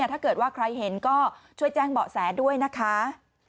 ถ้าเกิดว่าใครเห็นก็ช่วยแจ้งเบาะแสด้วยนะคะ